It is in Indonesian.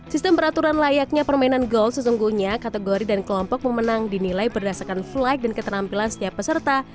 sistem peraturan layaknya permainan golf sesungguhnya kategori dan kelompok memenang dinilai berdasarkan flag dan ketenampilan setiap peserta